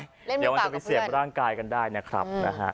เล่นมีปากกับเพื่อนเดี๋ยวมันจะไปเสี่ยงร่างกายกันได้นะครับ